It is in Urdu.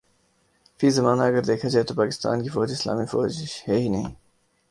فی زمانہ اگر دیکھا جائے تو پاکستان کی فوج اسلامی فوج ہے ہی نہیں